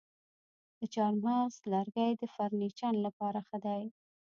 د چهارمغز لرګی د فرنیچر لپاره ښه دی.